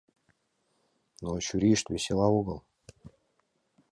Но чурийышт весела огыл.